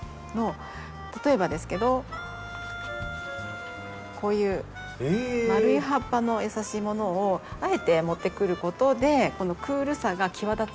例えばですけどこういう丸い葉っぱの優しいものをあえて持ってくることでこのクールさが際立つっていう。